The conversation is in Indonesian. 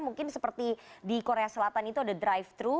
mungkin seperti di korea selatan itu ada drive thru